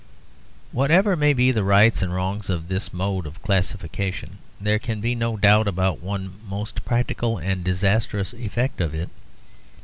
Whatever may be the rights and wrongs of this mode of classification, there can be no doubt about one most practical and disastrous effect of it.